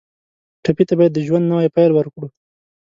ټپي ته باید د ژوند نوی پیل ورکړو.